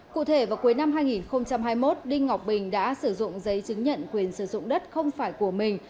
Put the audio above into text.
cụ thể vào cuối năm hai nghìn hai mươi một đinh ngọc bình đã sử dụng giấy chứng nhận quyền sử dụng đất không phải của mình